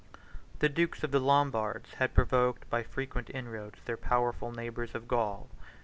The dukes of the Lombards had provoked by frequent inroads their powerful neighbors of Gaul.